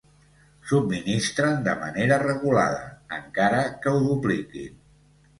Subministren de manera regulada, encara que ho dupliquin.